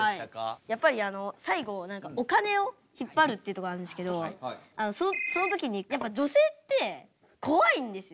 やっぱりあの最後お金を引っ張るってとこあるんですけどその時にやっぱ女性って怖いんですよ。